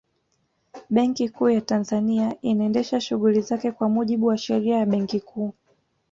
Benki Kuu ya Tanzania inaendesha shughuli zake kwa mujibu wa Sheria ya Benki Kuu